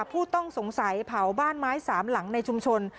ผู้ต้องสงสัยเผาบ้านไม้สามหลังในชุมชน